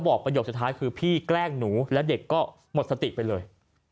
ประโยคสุดท้ายคือพี่แกล้งหนูแล้วเด็กก็หมดสติไปเลย